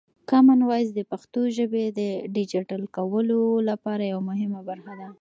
کامن وایس د پښتو ژبې د ډیجیټل کولو لپاره یوه مهمه برخه ده.